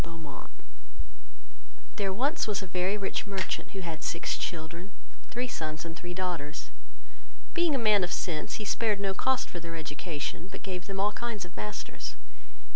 There was once a very rich merchant, who had six children, three sons, and three daughters; being a man of sense, he spared no cost for their education, but gave them all kinds of masters.